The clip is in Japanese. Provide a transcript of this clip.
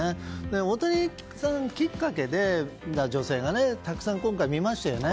大谷さんきっかけで女性がたくさん今回見ましたよね。